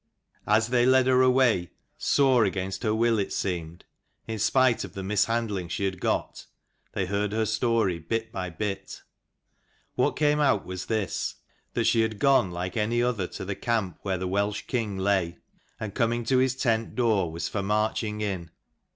As they led her away, sore against her will it seemed, in spite of the mishandling she had got, they heard her story bit by bit. What came out was this ; that she had gone like any other to the camp where the Welsh king lay, and coming to his tent door was for marching in.